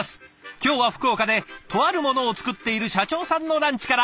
今日は福岡でとあるものを作っている社長さんのランチから。